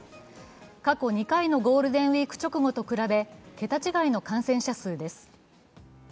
過去２回のゴールデンウイーク直後と比べ、桁違いの感染者数です。